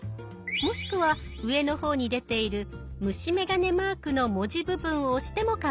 もしくは上の方に出ている虫眼鏡マークの文字部分を押してもかまいません。